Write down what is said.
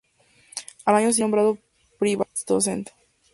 Al año siguiente, fue nombrado "privatdozent".